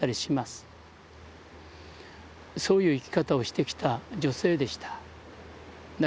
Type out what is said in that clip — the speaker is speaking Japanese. そういう生き方をしてきた女性でした。